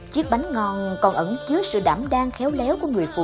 chiếc bánh ngon còn ẩn chứa sự đảm đang khéo léo của người phụ nữ